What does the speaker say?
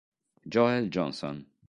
Joel Johnson